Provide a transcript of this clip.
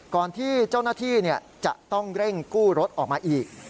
ก่อนที่เจ้าหน้าที่จะต้องเร่งกู้รถออกมาอีก